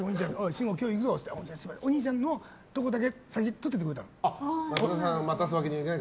慎吾、今日行くぞって言われてお兄さんのとこだけ先に撮っててくれたの。